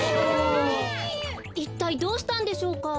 いったいどうしたんでしょうか？